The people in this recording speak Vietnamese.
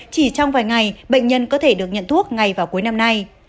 chỉ trong vài ngày bệnh nhân có thể được nhận thuốc ngay vào cuối năm nay